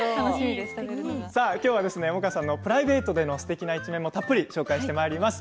きょうは萌歌さんのプライベートでのすてきな一面もたっぷり紹介します。